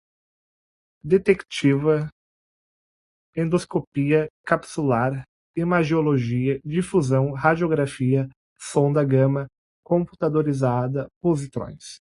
detectiva, endoscopia capsular, imagiologia, difusão, radiografia, sonda gama, computadorizada, positrões